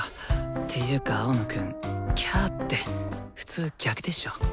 ていうか青野くん「きゃ」って普通逆でしょ。